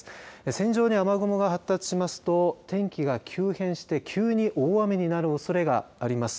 線状に雨雲が発達しますと天気が急変して急に大雨になるおそれがあります。